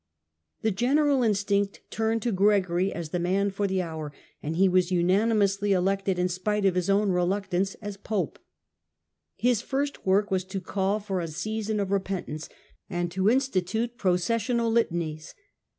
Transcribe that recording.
The general instinct turned to Gregory as the man for the hour, and he was unanimously elected, in spite of his own reluct ance, as Pope. His first work was to call for a season of repentance, and to institute processional litanies.